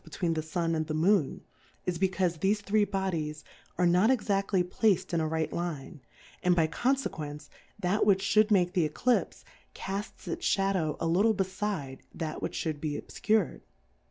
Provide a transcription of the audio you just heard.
49 tween the Sun and the Moon, is be caufe thefe three Bodies are not exaSly placM in a right Line, and by Confe quence that which fhould make the Eclipfe, cafts its Shadow a little befide that which (hould be obfcur'd.